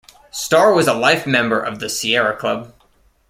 Starr was a life member of the Sierra Club.